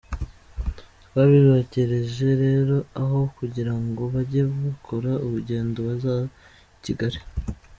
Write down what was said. Twabibegereje rero aho kugira ngo bajye bakora urugendo baza i Kigali.